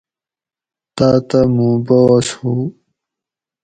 تاۤتہ مُوں باس ہُو